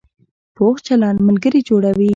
پوخ چلند ملګري جوړوي